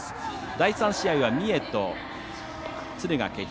第３試合は三重と敦賀気比。